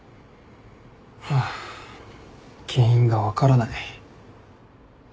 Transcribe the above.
ハァ原因が分からない。